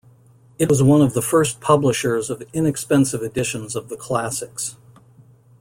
It was one of the first publishers of inexpensive editions of the classics.